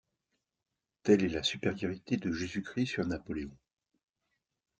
Telle est la supériorité de Jésus-Christ sur Napoléon.